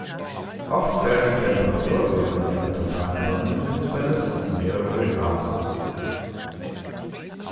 Oft fällt die Temperatur während einer totalen Sonnenfinsternis um mehrere Grad.